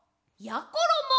やころも。